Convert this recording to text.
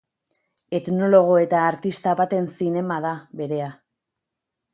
Etnologo eta artista baten zinema da berea.